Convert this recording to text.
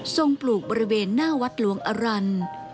ปลูกบริเวณหน้าวัดหลวงอรันทร์